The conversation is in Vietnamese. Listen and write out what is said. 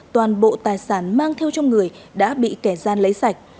toàn bộ tài sản mang theo trong người đã bị kẻ gian lấy sạch